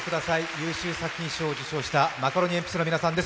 優秀作品賞を受賞したマカロニえんぴつの皆さんです。